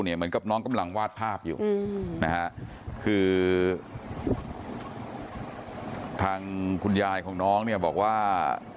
เหมือนกับน้องกำลังวาดภาพอยู่นะฮะคือทางคุณยายของน้องเนี่ยบอกว่า